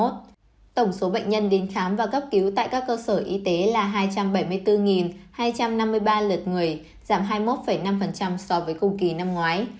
tổng số bệnh nhân đến khám và cấp cứu tại các cơ sở y tế là hai trăm bảy mươi bốn hai trăm năm mươi ba lượt người giảm hai mươi một năm so với cùng kỳ năm ngoái